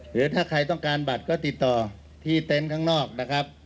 หรือถ้าใครต้องการบัตรก็ติดต่อที่เต็นต์ข้างนอกนะครับ